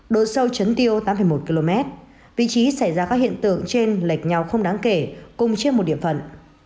độ sâu chấn tiêu tám một km vị trí xảy ra các hiện tượng trên lệch nhau không đáng kể cùng trên một địa phận